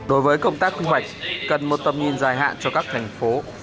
đối với công tác quy hoạch cần một tầm nhìn dài hạn cho các thành phố